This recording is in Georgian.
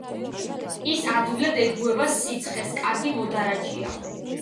ის ადვილად ეგუება სიცხეს, კარგი მოდარაჯეა.